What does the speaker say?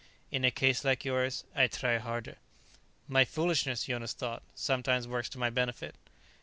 "In a case like yours, I try harder." "My foolishness," Jonas thought, "sometimes works to my benefit."